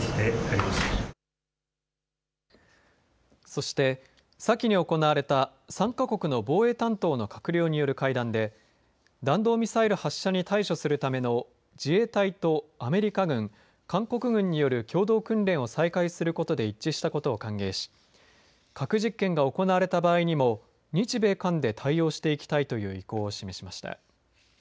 そして、先に行われた３か国の防衛担当の閣僚による会談で弾道ミサイル発射に対処するための自衛隊とアメリカ軍韓国軍による共同訓練を再開することで一致したことを歓迎し核実験が行われた場合にも日米韓で対応していきたいという意向を示しました。